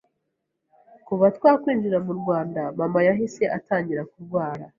Kuva twakwinjira mu Rwanda, mama yahise atangira kurwara